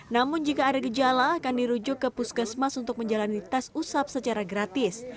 namun jika ada gejala akan dirujuk ke puskesmas untuk menjalani tes usap secara gratis